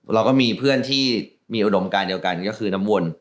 เราก็มีเพื่อนที่มีอุดมการเดียวกันก็คือน้ำวน